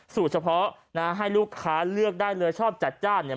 สูตรเฉพาะนะให้ลูกค้าเลือกได้เลยชอบจัดจ้านเนี่ย